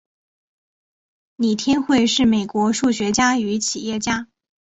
李天惠是美国数学家与企业家。